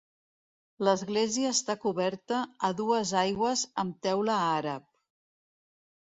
L'església està coberta a dues aigües amb teula àrab.